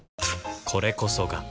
これこそが